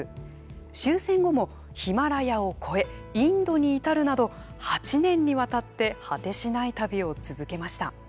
終戦後もヒマラヤを越えインドに至るなど８年にわたって果てしない旅を続けました。